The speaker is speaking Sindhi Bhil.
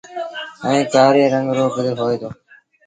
ائيٚݩ ڪآري رنگ رو با هوئي دو۔